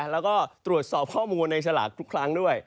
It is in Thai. แล้วก็ตรวจสอบข้อมูลในสลากทุกครั้งด้วย